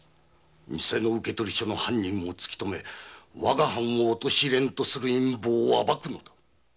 偽の受取書の犯人を突きとめわが藩を陥れんとする陰謀を暴くのだ。